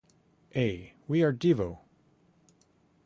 A: We Are Devo!